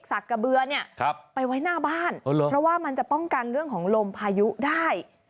กระเบือเนี่ยไปไว้หน้าบ้านเพราะว่ามันจะป้องกันเรื่องของลมพายุได้